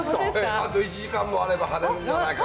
あと１時間もあれば晴れるんじゃないかな。